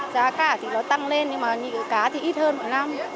giá cá thì nó tăng lên nhưng mà cá thì ít hơn mọi năm